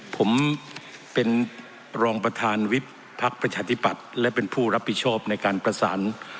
ผมเป็นรองประธานวิบพักประชาธิปัตย์และเป็นผู้รับผิดชอบในการประสาน